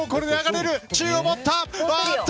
中を持った！